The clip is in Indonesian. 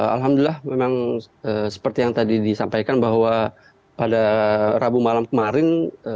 alhamdulillah memang seperti yang tadi disampaikan bahwa pada rabu malam kemarin